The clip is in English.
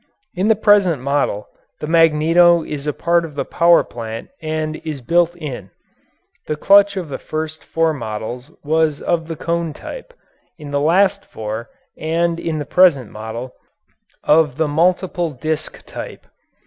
In the present model, the magneto is a part of the power plant and is built in. The clutch in the first four models was of the cone type; in the last four and in the present model, of the multiple disc type.